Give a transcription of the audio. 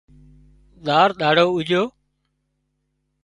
زار ۮاڙو اُوڄو